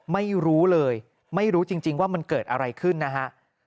ไม่รู้เลยไม่รู้จริงว่ามันเกิดอะไรขึ้นนะฮะ